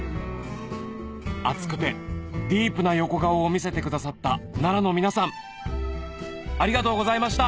熱くてディープな横顔を見せてくださった奈良の皆さんありがとうございました！